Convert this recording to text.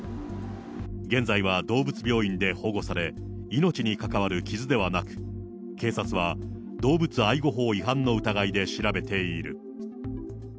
現在は動物病院で保護され、命に関わる傷ではなく、警察は、動物愛護法違反の疑いで調べている。